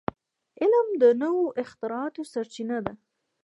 علم د نوو اختراعاتو سرچینه ده.